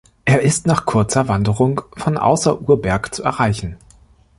Er ist nach kurzer Wanderung von Außer-Urberg zu erreichen.